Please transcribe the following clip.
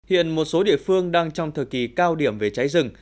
hiện một số địa phương đang trong thời kỳ cao điểm về cháy rừng